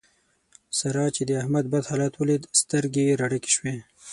سارا چې د احمد بد حالت وليد؛ سترګې يې را ډکې شوې.